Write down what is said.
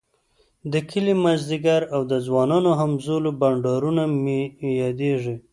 د کلي ماذيګر او د ځوانانو همزولو بنډارونه مي ياديږی